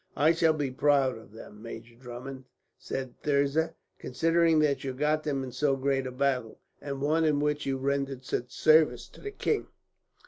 "I should be proud of them, Major Drummond," said Thirza, "considering that you got them in so great a battle, and one in which you rendered such service to the king."